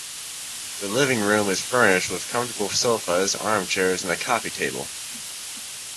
The living room is furnished with comfortable sofas, armchairs, and a coffee table.